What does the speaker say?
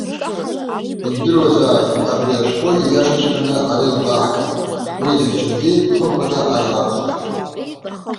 Ижәдыруазааит, абри ашәҟәы ииашаҵәҟьаны ҳара илбааҳгеит, уи зыхьчогьы хымԥада ҳара ҳакәхоит.